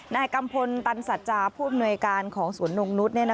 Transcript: กัมพลตันสัจจาผู้อำนวยการของสวนนงนุษย์